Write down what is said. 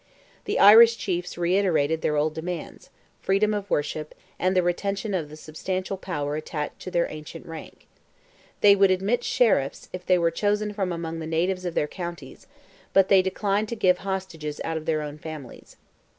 The Irish chiefs reiterated their old demands: freedom of worship, and the retention of the substantial power attached to their ancient rank. They would admit Sheriffs, if they were chosen from among natives of their counties, but they declined to give hostages out of their own families.